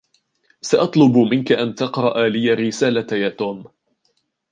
سأطلب منك أن تقرأ لي الرسالة يا توم.